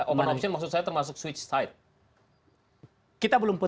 open option maksud saya termasuk switch side